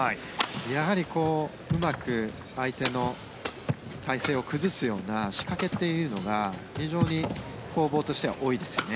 やはりうまく相手の体勢を崩すような仕掛けというのが非常に攻防としては多いですよね。